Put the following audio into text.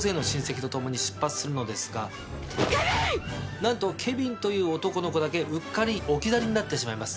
なんとケビンという男の子だけうっかり置き去りになってしまいます。